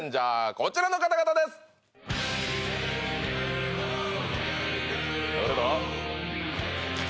こちらの方々です誰だ？